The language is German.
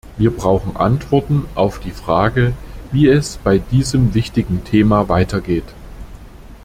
Wir brauchen Antworten auf die Frage, wie es bei diesem wichtigen Thema weitergeht.